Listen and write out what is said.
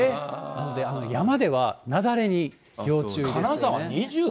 なので、山では雪崩に要注意ですね。